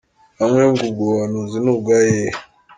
Bamwe ngo ubwo buhanuzi ni ubwahehe